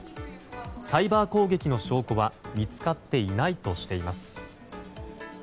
サイバー攻撃の証拠は見つかっていないとしています。